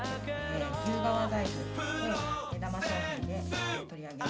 牛革財布を目玉商品で取り上げ。